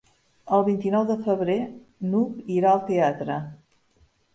El vint-i-nou de febrer n'Hug irà al teatre.